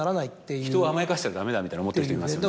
「人を甘やかしたらダメだ」みたいに思ってる人いますよね。